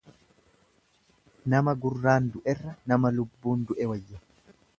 Nama gurraan du'erra nama lubbuun du'e wayya.